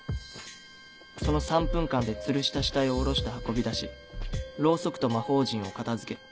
その３分間で吊るした死体を下ろして運び出しロウソクと魔方陣を片付け